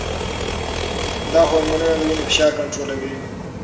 دا هرمونونه د وینې فشار کنټرولوي.